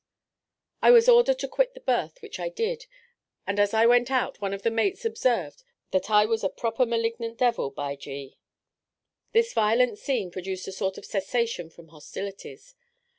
I was ordered to quit the berth, which I did, and as I went out, one of the mates observed, that I was "a proper malignant devil, by G ." This violent scene produced a sort of cessation from hostilities.